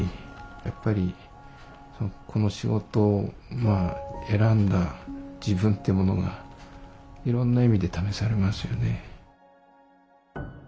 やっぱりこの仕事を選んだ自分っていうものがいろんな意味で試されますよね。